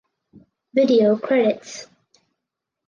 Video Credits